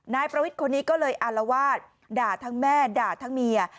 นายประวิทย์คนนี้ก็เลยอารวาสด่าทั้งแม่ด่าทั้งเมีย